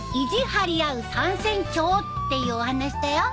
張りあう三船長」っていうお話だよ。